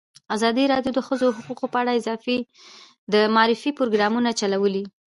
ازادي راډیو د د ښځو حقونه په اړه د معارفې پروګرامونه چلولي.